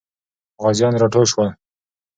غازیان راټول سول.